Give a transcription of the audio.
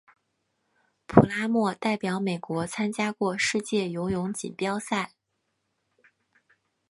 普拉默代表美国参加过世界游泳锦标赛。